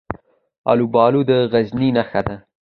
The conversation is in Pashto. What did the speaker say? الوبالو د غزني نښه ده.